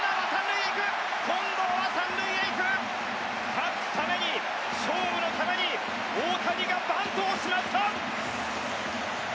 勝つために勝負のために大谷がバントをしました！